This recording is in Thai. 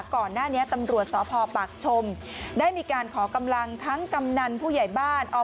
ก่อนหน้านี้ตำรวจสพปากชมได้มีการขอกำลังทั้งกำนันผู้ใหญ่บ้าน